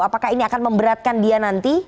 apakah ini akan memberatkan dia nanti